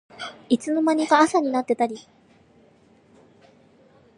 いつの間にか朝になってたり